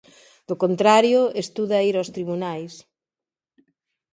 Do contrario, estuda ir aos tribunais.